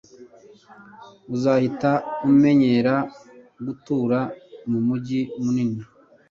Uzahita umenyera gutura mumujyi munini